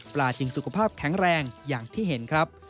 จึงสุขภาพแข็งแรงอย่างที่เห็นครับ